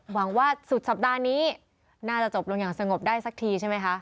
หวังว่าสุดสัปดาห์นี้น่าจะจบลงอย่างสงบได้สักทีใช่ไหมคะ